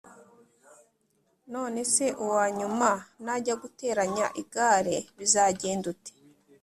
none se uwanyuma najya guteranya igare bizagenda ute